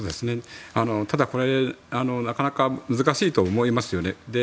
ただ、なかなか難しいと思いますよね。